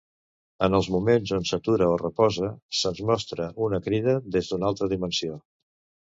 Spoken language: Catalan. En els moments on s'atura o reposa, se'ns mostra una crida des d'una altra dimensió.